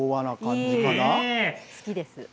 好きです。